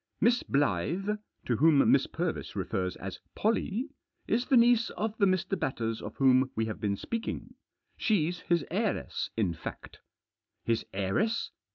" Miss Blyth — to whom Miss Purvis refers as Pollie — is the niece of the Mr. Batters of whom we have been speaking. She's his heiress, in fact." " His heiress?"